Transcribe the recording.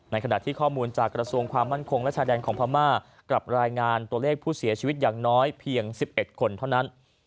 ขณะที่ข้อมูลจากกระทรวงความมั่นคงและชายแดนของพม่ากลับรายงานตัวเลขผู้เสียชีวิตอย่างน้อยเพียง๑๑คนเท่านั้น